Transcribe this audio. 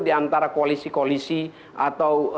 di antara koalisi koalisi atau